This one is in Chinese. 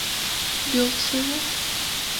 刘词人。